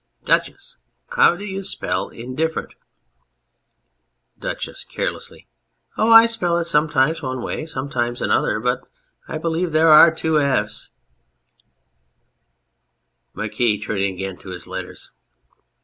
Duchess, how do you spell " indifferent "? DUCHESS (carelessly). Oh, I spell it sometimes one way, sometimes another. But I believe there are two f's. MARQUIS (turning again to his letters).